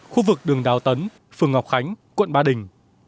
khu vực đường đào tấn phường ngọc khánh quận ba đình